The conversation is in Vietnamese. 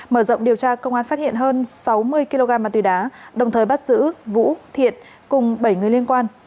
mở rộng điều tra công an phát hiện hơn sáu mươi kg ma túy đá đồng thời bắt giữ vũ thiện cùng bảy người liên quan